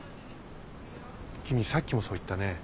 君さっきもそう言ったね。